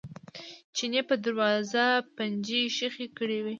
چیني په دروازه پنجې ښخې کړې وې.